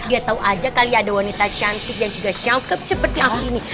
dia tahu aja kali ya ada wanita cantik yang juga syaukep seperti amri ini